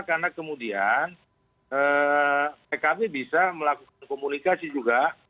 karena kemudian tkb bisa melakukan komunikasi juga